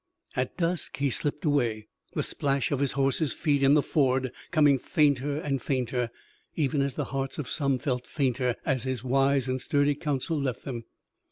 At dusk he slipped away, the splash of his horse's feet in the ford coming fainter and fainter, even as the hearts of some felt fainter as his wise and sturdy counsel left them.